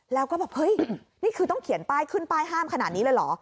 แล้วก็แบบเฮ้ยนี่คือต้องเขียนป้ายขึ้นป้ายห้ามขนาดนี้เลยเหรอ